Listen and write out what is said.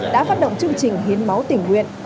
đã phát động chương trình hiến máu tỉnh nguyện